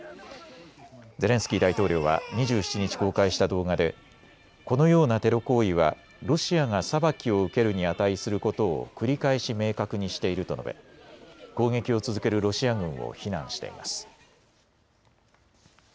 ゼレンスキー大統領は２７日、公開した動画でこのようなテロ行為はロシアが裁きを受けるに値することを繰り返し明確にしていると述べ、攻撃を続けるロシア軍を非難しています。